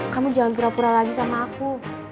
kamu jangan pura pura lagi sama aku